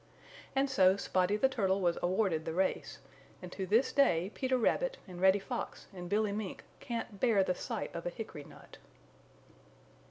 And so Spotty the Turtle was awarded the race, and to this day Peter Rabbit and Reddy Fox and Billy Mink can't bear the sight of a hickory nut.